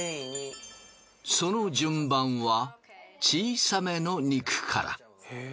その順番は小さめの肉から。